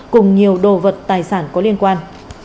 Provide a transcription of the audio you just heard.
cùng nhiều đồ vật tài sản có liên quan